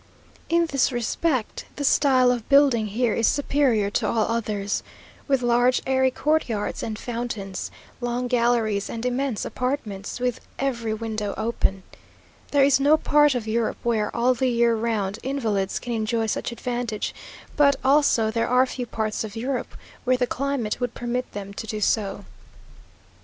In this respect, the style of building here is superior to all others, with large airy courtyards and fountains, long galleries and immense apartments, with every window open. There is no part of Europe where, all the year round, invalids can enjoy such advantages; but, also, there are few parts of Europe where the climate would permit them to do so.